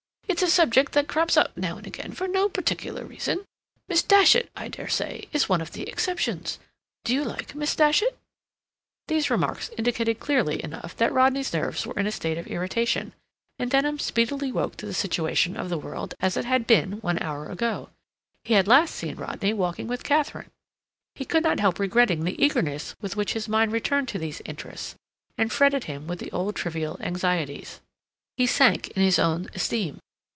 It's a subject that crops up now and again for no particular reason. Miss Datchet, I dare say, is one of the exceptions. Do you like Miss Datchet?" These remarks indicated clearly enough that Rodney's nerves were in a state of irritation, and Denham speedily woke to the situation of the world as it had been one hour ago. He had last seen Rodney walking with Katharine. He could not help regretting the eagerness with which his mind returned to these interests, and fretted him with the old trivial anxieties. He sank in his own esteem.